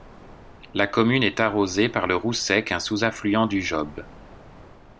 La commune est arrosée par le Roussec un sous-affluent du Job.